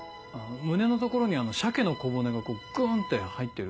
胸の所に鮭の小骨がこうグンって入ってる。